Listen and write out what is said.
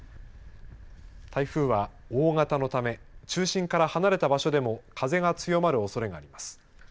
台風は大型のため中心から離れた場所でも風が強まるおそれがあります。